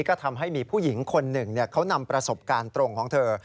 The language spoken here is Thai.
ก็ทำให้มีผู้หญิงคนหนึ่งเขานำประสบการณ์ตรงของเธอ